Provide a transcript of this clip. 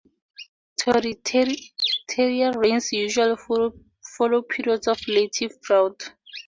Torrential rains usually follow periods of relative drought.